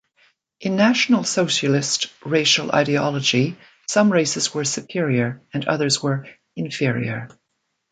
In National Socialist racial ideology, some races were "superior" and others "inferior".